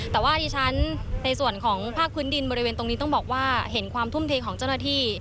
แต่ว่าดิฉันในส่วนของภาคพื้นดินบริเวณตรงนี้ต้องบอกว่าเห็นความทุ่มเทของเจ้าหน้าที่